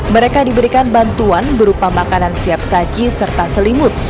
mereka diberikan bantuan berupa makanan siap saji serta selimut